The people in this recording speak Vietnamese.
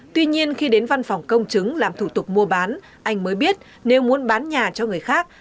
tuy nhiên khi đến văn phòng công chứng làm thủ tục mua bán anh mới biết nếu muốn bán nhà cho người khác